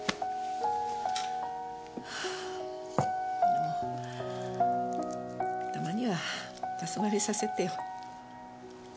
でもたまにはたそがれさせてよ。